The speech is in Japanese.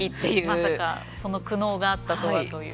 まさかその苦悩があったとはという。